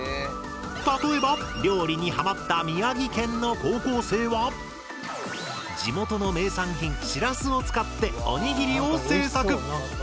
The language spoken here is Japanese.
例えば料理にハマった宮城県の高校生は地元の名産品しらすを使っておにぎりを製作。